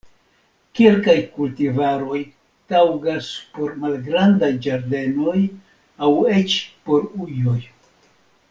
Kelkaj kultivaroj taŭgas por malgrandaj ĝardenoj aŭ eĉ por ujoj.